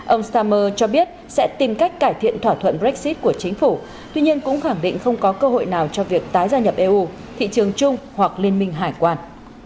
ông stammer cho biết sẽ tìm cách cải thiện thỏa thuận brexit của chính phủ tuy nhiên cũng khẳng định không có cơ hội nào cho việc tái gia nhập eu thị trường chung hoặc liên minh hải quan